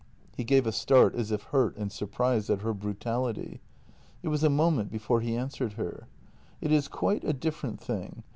" He gave a start as if hurt and surprised at her brutality; it was a moment before he answered her: " It is quite a different thing.